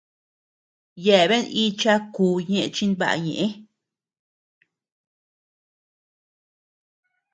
Yeabean icha kú ñeʼe chinbaʼa ñeʼë.